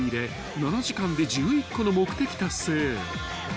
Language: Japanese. ７時間で１１個の目的達成］